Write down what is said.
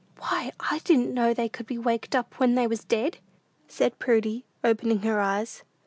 "Why, I didn't know they could be waked up when they was dead," said Prudy, opening her eyes.